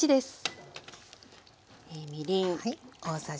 みりん。